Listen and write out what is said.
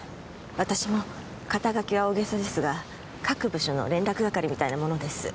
私も肩書きは大げさですが各部署の連絡係みたいなものです。